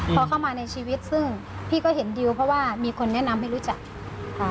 พอเข้ามาในชีวิตซึ่งพี่ก็เห็นดิวเพราะว่ามีคนแนะนำให้รู้จักอ่า